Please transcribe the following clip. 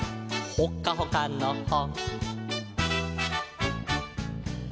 「ほっかほかのほ」